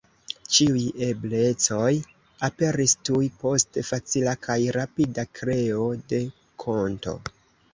Ĉiuj eblecoj aperis tuj post facila kaj rapida kreo de konto.